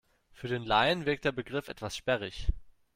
Für den Laien wirkt der Begriff etwas sperrig.